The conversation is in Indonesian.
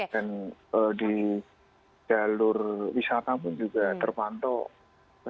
dan di jalur wisata pun juga terpantau